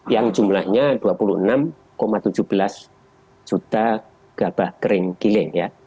yang jumlahnya dua puluh enam tujuh belas juta gabah kering giling ya